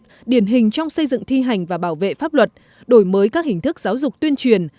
vinh danh biểu dương người tốt điển hình trong xây dựng thi hành và bảo vệ pháp luật đổi mới các hình thức giáo dục tuyên truyền